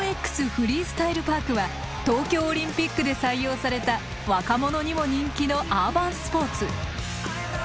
フリースタイルパークは東京オリンピックで採用された若者にも人気のアーバンスポーツ。